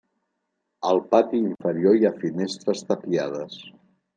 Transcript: Al pati inferior hi ha finestres tapiades.